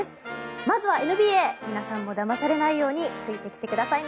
まずはＮＢＡ皆さんもだまされないようについてきてくださいね。